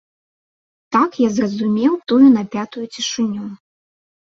Так я зразумеў тую напятую цішыню.